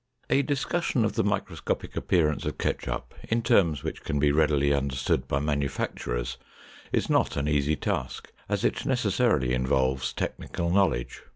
A discussion of the microscopic appearance of ketchup in terms which can be readily understood by manufacturers is not an easy task, as it necessarily involves technical knowledge.